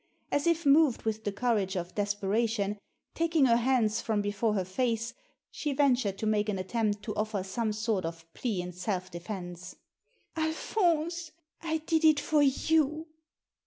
As if moved with the courage of despera tion, taking her hands from before her face, she ventured to make an attempt to offer some sort of plea in self defence. " Alphonse, I did it for you.